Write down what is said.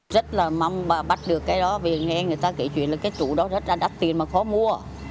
rất là mong bắt được cái đó vì nghe người ta kể chuyện là cái trụ đó rất là đắt tiền mà khó mua